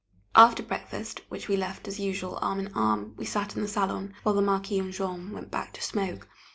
After breakfast which we left as usual arm in arm we sat in the salon, while the Marquis and Jean went back to smoke.